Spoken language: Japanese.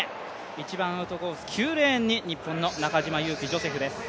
一番アウトコース、９レーンに日本の中島佑気ジョセフです。